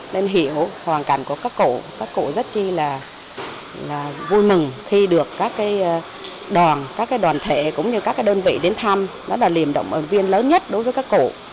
cảm cảm của các cụ các cụ rất chi là vui mừng khi được các đoàn thể cũng như các đơn vị đến thăm đó là liềm động viên lớn nhất đối với các cụ